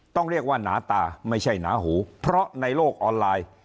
ต้องเรียกว่าหนาตาไม่ใช่หนาหูเพราะในโลกออนไลน์